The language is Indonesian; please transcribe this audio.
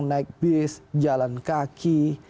naik bis jalan kaki